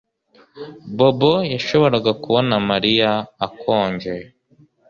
Bobo yashoboraga kubona Mariya akonje